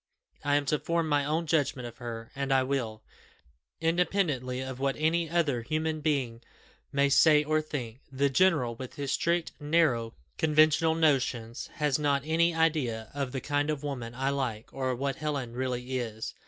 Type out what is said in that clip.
I am to form my own judgment of her, and I will, independently of what any other human being may say or think. The general, with his strict, narrow, conventional notions, has not an idea of the kind of woman I like, or of what Helen really is.